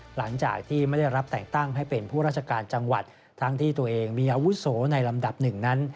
หลังจากที่ไม่ได้รับแต่งตั้งให้เป็นผู้ราชการจังหวัดทั้งที่ตัวเองมีอาวุโสในลำดับหนึ่งนั้น